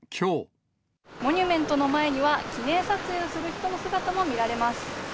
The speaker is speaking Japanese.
モニュメントの前には、記念撮影をする人の姿も見られます。